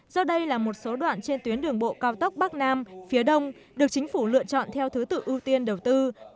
do đây là một số đoạn trên tuyến đường bộ cao tốc bắc nam phía đông được chính phủ lựa chọn theo thứ tự ưu tiên đầu tư